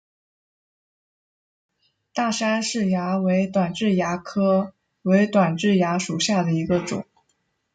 大杉氏蚜为短痣蚜科伪短痣蚜属下的一个种。